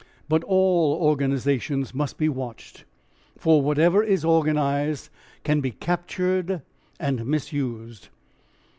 But all organisations must be watched, for whatever is organised can be "captured" and misused.